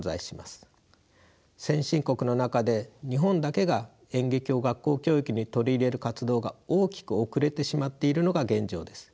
先進国の中で日本だけが演劇を学校教育に取り入れる活動が大きく遅れてしまっているのが現状です。